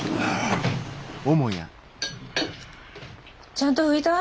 ちゃんと拭いた？